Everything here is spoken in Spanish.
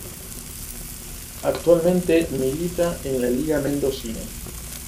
Actualmente milita en la Liga Mendocina.